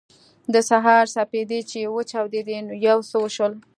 د سهار سپېدې چې وچاودېدې نو یو څه وشول